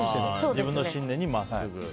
自分の信念に真っすぐと。